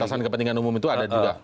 alasan kepentingan umum itu ada juga